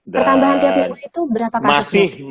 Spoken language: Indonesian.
pertambahan tiap minggu itu berapa kasusnya